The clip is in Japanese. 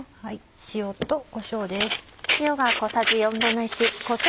塩とこしょうです。